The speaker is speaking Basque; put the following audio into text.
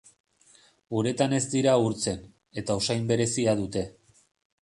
Uretan ez dira urtzen, eta usain berezia dute.